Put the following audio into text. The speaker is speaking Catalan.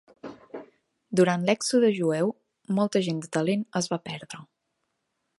Durant l'èxode jueu molta gent de talent es va perdre.